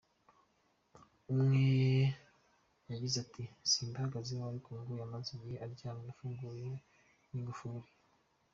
Umwe yagize ati “Simbihagazeho ariko ngo yamaze igihe aryamye, afungiranye n’ingufuri.